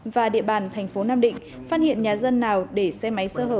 và địa bàn tp nam định phát hiện nhà dân nào để xe máy sơ hở